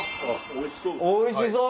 おいしそう！